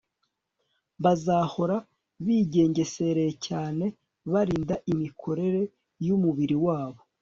Bazahora bigengesereye cyane barinda imikorere yumubiri wabo